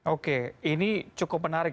oke ini cukup menarik